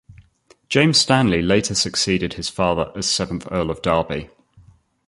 James Stanley later succeeded his father as seventh Earl of Derby.